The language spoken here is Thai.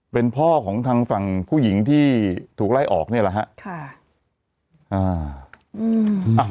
เป็นพ่อของทางฝั่งผู้หญิงที่ถูกไล่ออกเนี่ยแหละฮะ